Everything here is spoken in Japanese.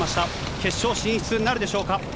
決勝進出なるでしょうか。